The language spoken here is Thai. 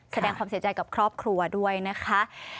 แสดงความเสียใจกับครอบครัวด้วยนะคะ